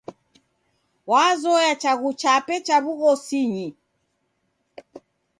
Wazoye chaghu chape cha w'ughosinyi.